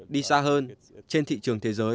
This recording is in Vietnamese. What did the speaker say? đi xa hơn trên thị trường thế giới